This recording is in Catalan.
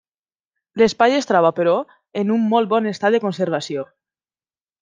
L'espai es troba però en un molt bon estat de conservació.